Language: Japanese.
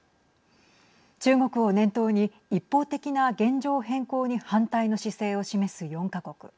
中国を念頭に、一方的な現状変更に反対の姿勢を示す４か国。